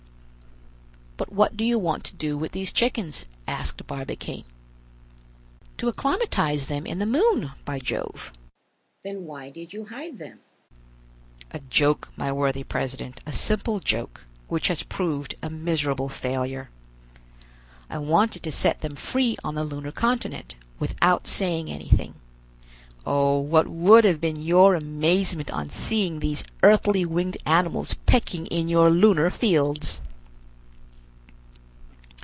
"But what do you want to do with these chickens?" asked Barbicane. "To acclimatize them in the moon, by Jove!" "Then why did you hide them?" "A joke, my worthy president, a simple joke, which has proved a miserable failure. I wanted to set them free on the lunar continent, without saying anything. Oh, what would have been your amazement on seeing these earthly winged animals pecking in your lunar fields!"